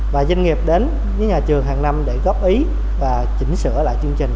và doanh nghiệp đến với nhà trường hàng năm để góp ý và chỉnh sửa lại chương trình